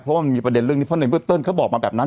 เพราะว่ามันมีประเด็นเรื่องนี้เพราะในเมื่อเติ้ลเขาบอกมาแบบนั้น